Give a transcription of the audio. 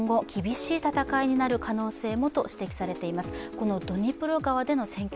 このドニプロ川での戦況